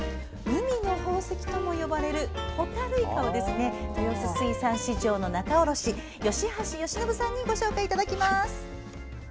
海の宝石とも呼ばれるホタルイカを豊洲水産市場仲卸の吉橋善伸さんにご紹介いただきます。